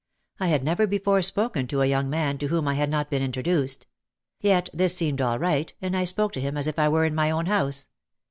I had never before spoken to a young man to whom I had not been introduced. Yet this seemed all right and I spoke to him as if I were in my own house.